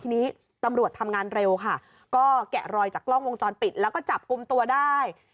ทีนี้ตำรวจทำงานเร็วค่ะก็แกะรอยจากกล้องวงจรปิดแล้วก็จับกลุ่มตัวได้